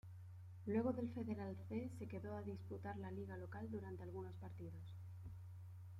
Luego del Federal C se quedó a disputar la liga local durante algunos partidos.